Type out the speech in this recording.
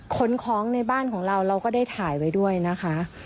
ขนของในบ้านของเราเราก็ได้ถ่ายไว้ด้วยนะคะ